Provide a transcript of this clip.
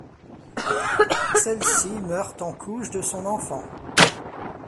Celle-ci meurt en couches de son enfant.